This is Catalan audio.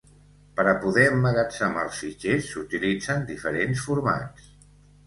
Per a poder emmagatzemar els fitxers s'utilitzen diferents formats.